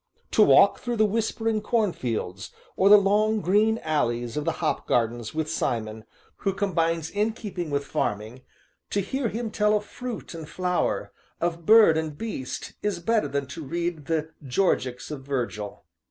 To walk through the whispering cornfields, or the long, green alleys of the hop gardens with Simon, who combines innkeeping with farming, to hear him tell of fruit and flower, of bird and beast, is better than to read the Georgics of Virgil.